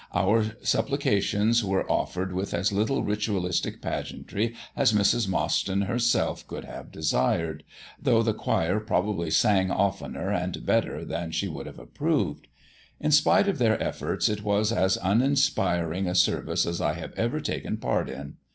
Our supplicaitions were offered with as little ritualistic pageantry as Mrs. Mostyn herself could have desired, though the choir probably sang oftener and better than she would have approved. In spite of their efforts it was as uninspiring a service as I have ever taken part in.